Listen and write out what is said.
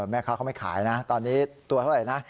แม่ค้าเขาไม่ขายนะตอนนี้ตัวเท่าไหร่นะ